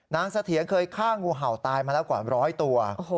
เสถียรเคยฆ่างูเห่าตายมาแล้วกว่าร้อยตัว